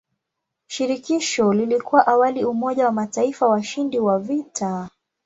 Shirikisho lilikuwa awali umoja wa mataifa washindi wa vita.